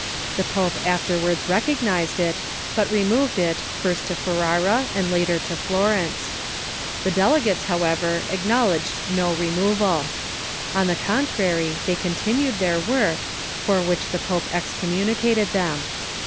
The pope afterwards recognized it, but removed it, first to Ferrara and later to Florence. The delegates, how ever, acknowledged no removal. On the contrary, they con tinued their work, for which the pope excommunicated them.